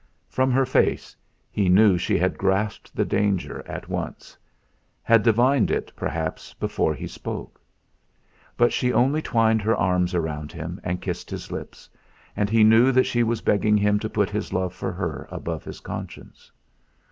From her face he knew she had grasped the danger at once; had divined it, perhaps, before he spoke. But she only twined her arms round him and kissed his lips. And he knew that she was begging him to put his love for her above his conscience.